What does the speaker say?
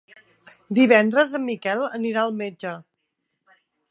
Divendres en Miquel anirà al metge.